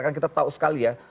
kan kita tahu sekali ya